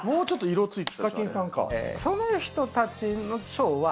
その人たちの昭和。